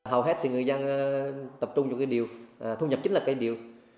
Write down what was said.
hầu hết thì người dân tập trung vào cái điều thu nhập chính là cây điều